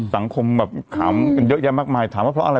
สังคมแบบถามกันเยอะแยะมากมายถามว่าเพราะอะไร